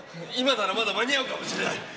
今ならまだ間に合うかもしれない！